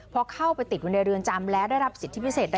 พอเข้าไปติดอยู่ในเรือนจำและได้รับสิทธิพิเศษใด